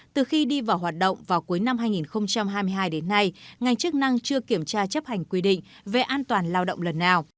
từ khi đi vào hoạt động vào cuối năm hai nghìn hai mươi hai đến nay ngành chức năng chưa kiểm tra chấp hành quy định về an toàn lao động lần nào